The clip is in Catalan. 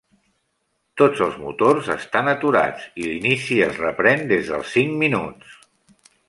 Tots els motors estan aturats i l'inici es reprèn des dels cinc minuts.